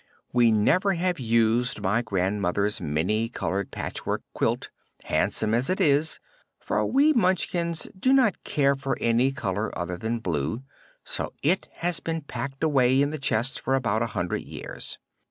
We never have used my grandmother's many colored patchwork quilt, handsome as it is, for we Munchkins do not care for any color other than blue, so it has been packed away in the chest for about a hundred years.